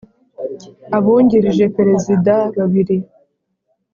Abungirije Perezida babiri